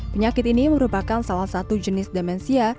penyakit ini merupakan salah satu jenis demensia